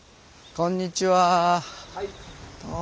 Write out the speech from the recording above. こんにちは。